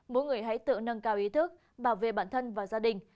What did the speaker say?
mỗi người hãy tự nâng cao ý thức bảo vệ bản thân và gia đình